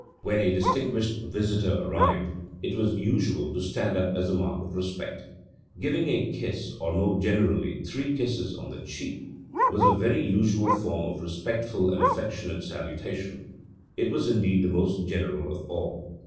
When a distinguished visitor arrived it was usual to stand up as a mark of respect. Giving a kiss, or more generally three kisses, on the cheek, was a very usual form of respectful and affectionate salutation: it was indeed the most general of all.